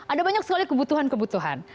ada banyak sekali kebutuhan kebutuhan